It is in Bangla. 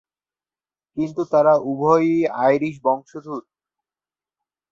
কিন্তু তারা উভয়েই আইরিশ বংশোদ্ভূত।